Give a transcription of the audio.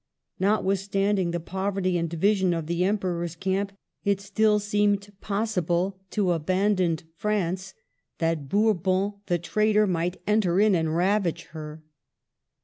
Notwithstanding the poverty and division of the Emperor's camp, it still seemed possible to abandoned France that Bourbon the traitor might enter in and ravage her.